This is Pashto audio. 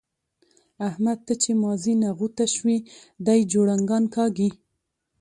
احمد ته چې مازي نغوته شوي؛ دی جوړنګان کاږي.